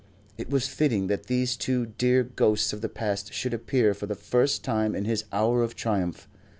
It was fitting that these two dear ghosts of the past should appear for the first time in his hour of triumph.